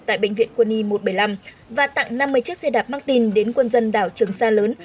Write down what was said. tại bệnh viện quân y một trăm bảy mươi năm và tặng năm mươi chiếc xe đạp martin đến quân dân đảo trường sa lớn